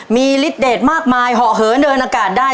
มีฤทธเดทมากมายเหาะเหินเดินอากาศได้